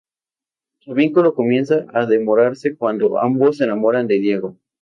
Su vínculo comienza a desmoronarse cuando ambos se enamoran de Diego.